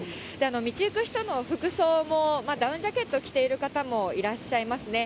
道行く人の服装も、ダウンジャケット着てる方もいらっしゃいますね。